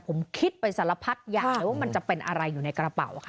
ผมคิดไปสารพัดอย่างเลยว่ามันจะเป็นอะไรอยู่ในกระเป๋าค่ะ